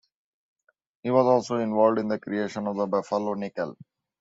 He was also involved in the creation of the buffalo nickel.